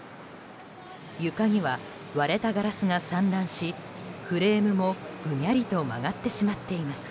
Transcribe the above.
床には割れたガラスが散乱しフレームもぐにゃりと曲がってしまっています。